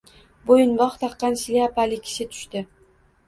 Bo‘yinbog‘ taqqan shlyapali kishi tushdi.